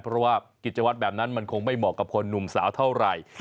เพราะว่ากิจวัตรแบบนั้นมันคงไม่เหมาะกับคนหนุ่มสาวเท่าไหร่